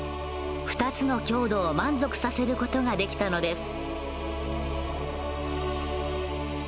２つの強度を満足させる事ができたのです。